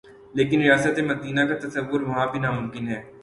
لیکن ریاست مدینہ کا تصور وہاں بھی ناممکن ہے۔